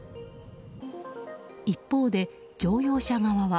一方で、乗用車側は。